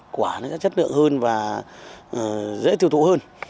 quả nó chất lượng hơn và dễ thiêu thụ hơn